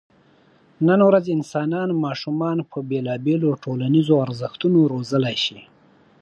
نن ورځ انسانان ماشومان په بېلابېلو ټولنیزو ارزښتونو روزلی شي.